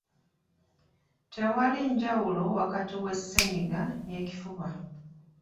Tewali njawulo wakati wa ssennyiga n'ekifuba.